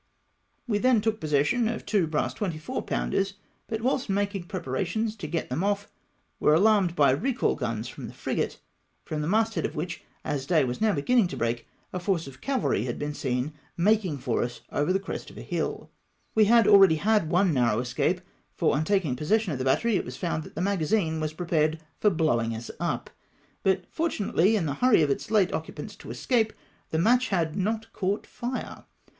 AVe then took possession STORMING A BATTERY. 273 of two brass 24 pounders, but wliilst making prepara tions to get them off were alarmed by recall guns from the frigate, from the masthead of which, as day was now beginning to break, a force of cavalry had been seen making for us over the crest of a hill. We had already had one narrow escape, for on taldng possession of the battery it was found that the magazine was prepared for blowing us up, but fortunately, in the hurry of its late occupants to escape, the match had not caught fire.